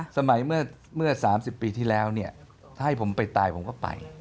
สมัยเมื่อ๓๐ปีที่แล้วเนี่ยถ้าให้ผมไปตายผมก็ไป